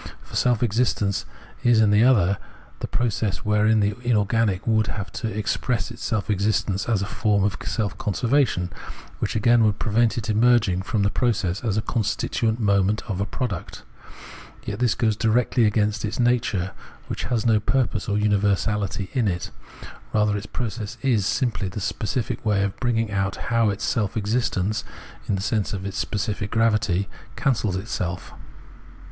For self existence in its other is the process wherein the inorganic would have to ex press its self existence as a form of self conservation, 276 Phenomenology of Mind which again would prevent it emerging from the pro cess as a constituent moment of a product. Yet this goes directly against its nature, which has no pur pose or universaHty in it. Rather, its process is simply the specific way of bringing out how its self existence, in the sense of its specific gravity, cancels itself.